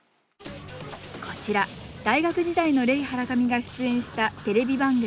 こちら大学時代のレイ・ハラカミが出演したテレビ番組